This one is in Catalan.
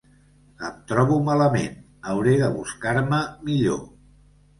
Em trobo malament, hauré de buscar-me millor.